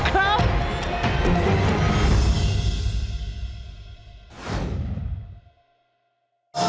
นี่คืออะไร